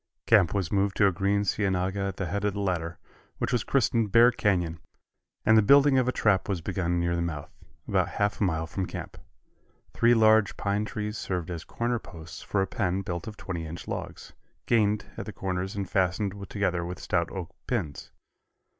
Camp was moved to a green cienaga at the head of the latter, which was christened Bear Canyon, and the building of a trap was begun near the mouth about half a mile from camp. Three large pine trees served as corner posts for a pen built of twenty inch logs, "gained" at the corners and fastened together with stout oak pins.